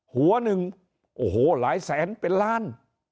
หัวหนึ่งโอ้โหหลายแสนเป็นล้าน